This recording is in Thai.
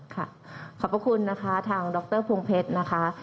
ค่ะขอบคุณนะคะทางดรพวงเพชรนะคะ